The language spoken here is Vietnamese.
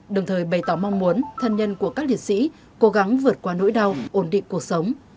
đồng thời bày tỏ mong muốn thân nhân của các liệt sĩ cố gắng vượt qua nỗi đau ổn định cuộc sống